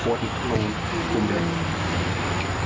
ประชดมากกว่าแบบยังไง